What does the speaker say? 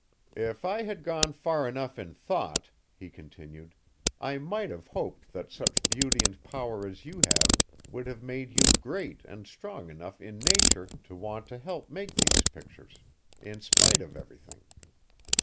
"If I had gone far enough in thought," he continued, "I might have hoped that such beauty and power as you have would have made you great and strong enough in nature to want to help make these pictures, in spite of everything!